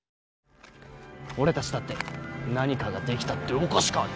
俺たちだって何かができたっておかしかね。